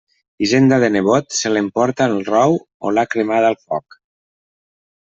Hisenda de nebot, se l'emporta el rou o l'ha cremada el foc.